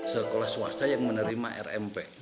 sekolah swasta yang menerima rmp